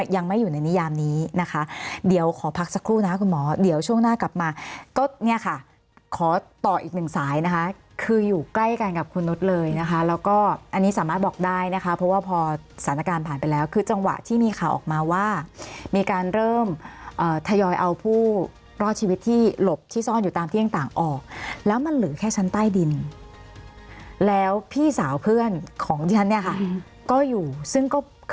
ยังไม่อยู่ในนิยามนี้นะคะเดี๋ยวขอพักสักครู่นะคุณหมอเดี๋ยวช่วงหน้ากลับมาก็เนี่ยค่ะขอต่ออีกหนึ่งสายนะคะคืออยู่ใกล้กันกับคุณนุษย์เลยนะคะแล้วก็อันนี้สามารถบอกได้นะคะเพราะว่าพอสถานการณ์ผ่านไปแล้วคือจังหวะที่มีข่าวออกมาว่ามีการเริ่มเอ่อทยอยเอาผู้รอดชีวิตที่หลบที่ซ่อนอยู่ตามที่ต่างออกแล้วมัน